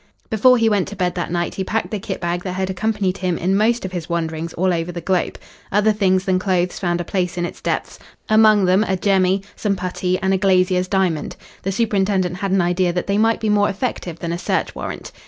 Before he went to bed that night he packed the kit bag that had accompanied him in most of his wanderings all over the globe. Other things than clothes found a place in its depths, among them a jemmy, some putty, and a glazier's diamond. The superintendent had an idea that they might be more effective than a search warrant.